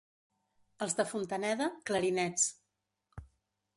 Els de Fontaneda, clarinets.